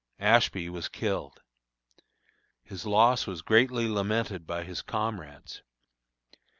Ashby was killed. His loss was greatly lamented by his comrades.